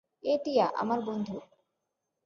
এ টিয়া, আমার বন্ধু।